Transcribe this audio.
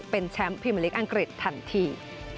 เป็นแชมป์พิมพลิกอังกฤษทันที